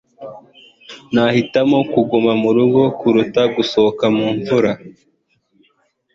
nahitamo kuguma murugo kuruta gusohoka mu mvura